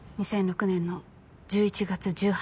２００６年の１１月１８日。